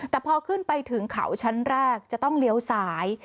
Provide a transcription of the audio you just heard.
แต่พอขึ้นไปถึงเขาชั้นแรกจะต้องเลี้ยวซ้าย